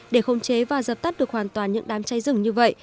để khống chế và dập tắt được hoàn toàn những đám cháy rừng như vậy